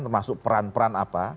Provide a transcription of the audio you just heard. termasuk peran peran apa